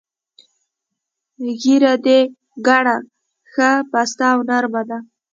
ږیره دې ګڼه، ښه پسته او نر مه ده.